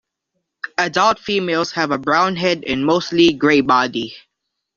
Adult females have a brown head and a mostly grey body.